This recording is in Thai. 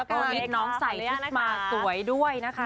ก็มีน้องใสที่มาสวยด้วยนะคะ